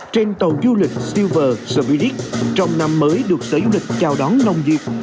trên tàu du lịch silver soviet trong năm mới được sở du lịch chào đón nồng nhiệt